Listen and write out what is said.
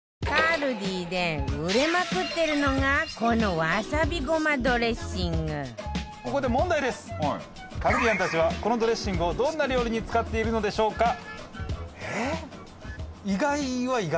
カルディアンたちはこのドレッシングをどんな料理に使っているのでしょうか？